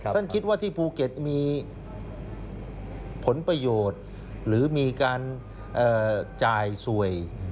คิดว่าที่ภูเก็ตมีผลประโยชน์หรือมีการจ่ายสวย